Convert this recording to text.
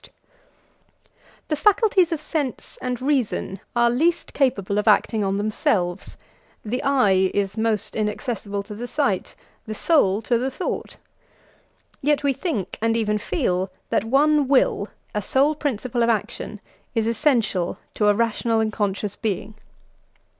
] The faculties of sense and reason are least capable of acting on themselves; the eye is most inaccessible to the sight, the soul to the thought; yet we think, and even feel, that one will, a sole principle of action, is essential to a rational and conscious being.